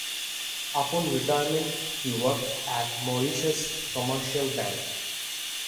Upon retirement he worked at Mauritius Commercial Bank.